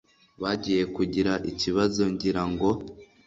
Bagiye kugira ikibazo ngira ngo